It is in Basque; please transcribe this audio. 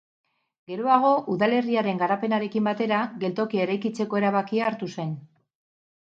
Geroago, udalerriaren garapenarekin batera geltokia eraikitzeko erabakia hartu zen.